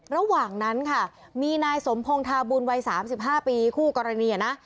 ระหว่างนั้นค่ะมีนายสมพงศ์ทาบุญวัย๓๕ปีคู่กรณีนะ